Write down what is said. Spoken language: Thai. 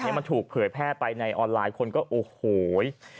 มันถูกเผยแพร่ไปในออนไลน์คนก็โอ้โห